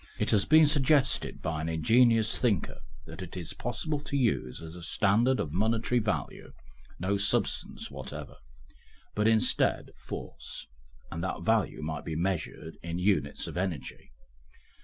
It has been suggested by an ingenious thinker that it is possible to use as a standard of monetary value no substance whatever, but instead, force, and that value might be measured in units of energy.